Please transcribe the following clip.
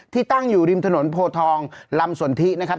ตั้งอยู่ริมถนนโพทองลำสนทินะครับ